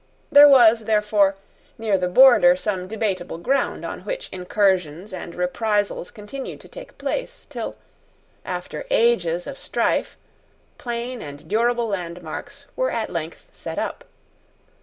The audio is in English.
There was, therefore, near the border some debatable ground on which incursions and reprisals continued to take place, till, after ages of strife, plain and durable landmarks were at length set up.